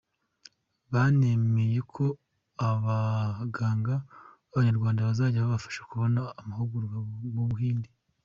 Banemeye ko abaganga b’Abanyarwanda bazajya babafasha kubona amahugurwa mu Buhinde.